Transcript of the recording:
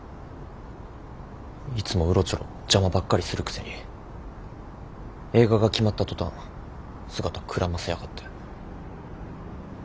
いつもうろちょろ邪魔ばっかりするくせに映画が決まった途端姿くらませやがって。